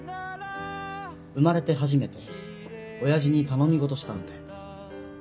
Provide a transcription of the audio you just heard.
生まれて初めて親父に頼み事したんだよ。